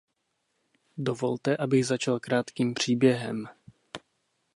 Dovolte, abych začal krátkým příběhem.